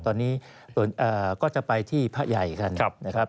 ตอนนี้ก็จะไปที่พระใหญ่กันนะครับ